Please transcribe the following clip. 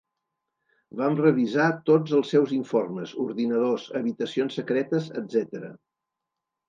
Vam revisar tots els seus informes, ordinadors, habitacions secretes, etcètera.